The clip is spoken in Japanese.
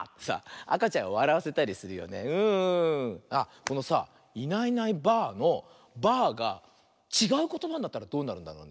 このさ「いないいないばあ！」の「ばあ」がちがうことばになったらどうなるんだろうね？